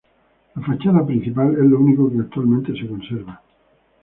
La fachada principal es lo único que actualmente se conserva.